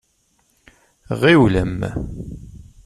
Ɣiwlem!